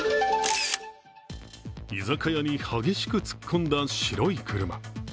居酒屋に激しく突っ込んだ白い車。